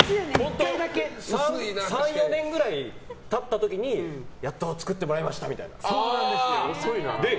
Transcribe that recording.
３４年ぐらい経った時にやっと作ってもらいましたみたいな。